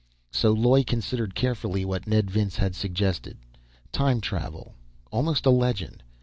So Loy considered carefully what Ned Vince had suggested. Time travel. Almost a legend.